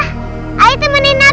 di situ tempatnya indah